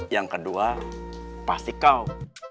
yang kedua pasti kau